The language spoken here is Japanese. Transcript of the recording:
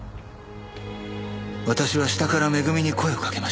「私は下からめぐみに声をかけました」